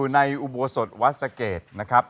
ในอุโบสถวัดสะเกดนะครับ